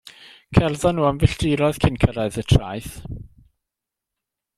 Cerddon nhw am filltiroedd cyn cyrraedd y traeth.